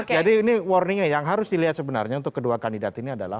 jadi ini warningnya yang harus dilihat sebenarnya untuk kedua kandidat ini adalah